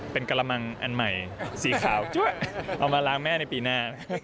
เป็นกระมังอันใหม่สีขาวเอามาล้างแม่ในปีหน้า